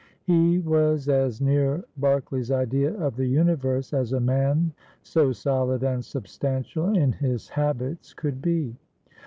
He was as near Berkeley's idea of the universe as a man so solid and substantial in his habits could be.